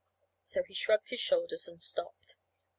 So he shrugged his shoulders and stopped.